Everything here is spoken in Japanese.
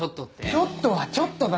「ちょっと」は「ちょっと」だ。